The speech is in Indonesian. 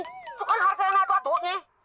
itu kan kartu yang ato atonya